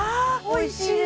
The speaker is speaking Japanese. おいしい！